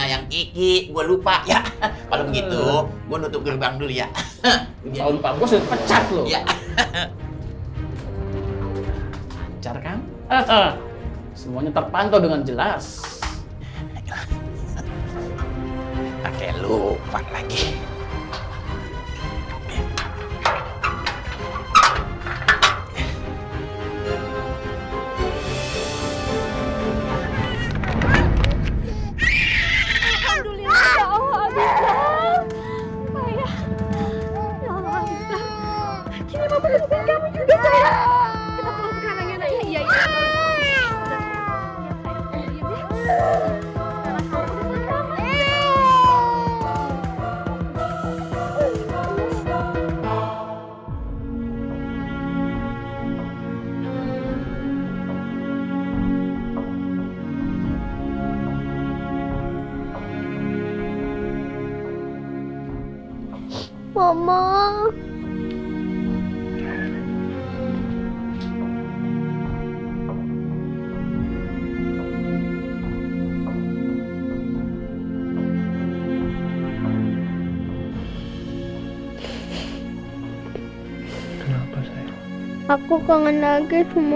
aku belum pada pulang